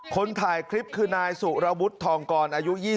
คนถ่ายคลิปคือนายสุรวุฒิทองกรอายุ๒๐